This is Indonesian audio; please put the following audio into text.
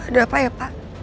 ada apa ya pak